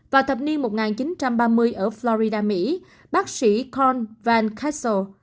vào thập niên một nghìn chín trăm ba mươi ở florida mỹ bác sĩ corn van kampen